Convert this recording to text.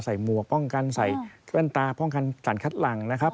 หมวกป้องกันใส่แว่นตาป้องกันสารคัดหลังนะครับ